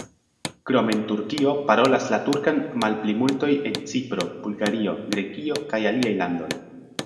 Krom en Turkio, parolas la turkan malplimultoj en Cipro, Bulgario, Grekio kaj aliaj landoj.